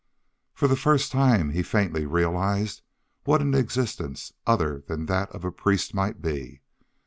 For the first time he faintly realized what an existence other than that of a priest might be.